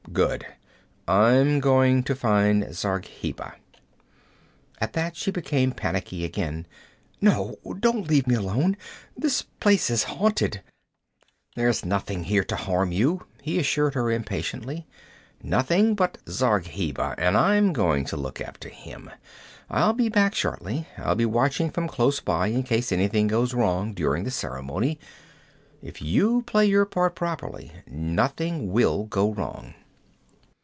'Good; I'm going to find Zargheba.' At that she became panicky again. 'No! Don't leave me alone! This place is haunted!' 'There's nothing here to harm you,' he assured her impatiently. 'Nothing but Zargheba, and I'm going to look after him. I'll be back shortly. I'll be watching from close by in case anything goes wrong during the ceremony; but if you play your part properly, nothing will go wrong.'